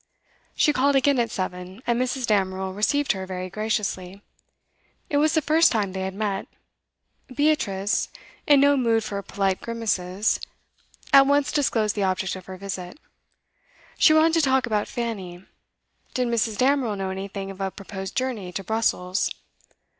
She called again at seven, and Mrs. Damerel received her very graciously. It was the first time they had met. Beatrice, in no mood for polite grimaces, at once disclosed the object of her visit; she wanted to talk about Fanny; did Mrs. Damerel know anything of a proposed journey to Brussels?